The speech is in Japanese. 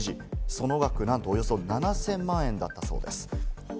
その額、なんとおよそ７０００万円だったそうです。